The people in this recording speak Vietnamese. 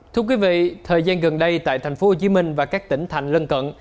thưa quý vị thời gian gần đây tại tp hcm và các tỉnh thành lân cận